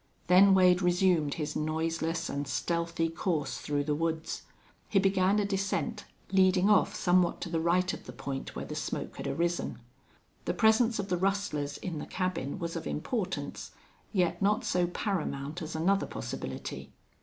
Then Wade resumed his noiseless and stealthy course through the woods. He began a descent, leading off somewhat to the right of the point where the smoke had arisen. The presence of the rustlers in the cabin was of importance, yet not so paramount as another possibility.